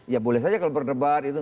ya boleh saja kalau berdebat itu